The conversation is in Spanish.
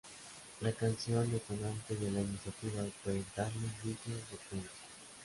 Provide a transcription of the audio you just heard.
La canción detonante de la iniciativa fue Darling Nikki de Prince.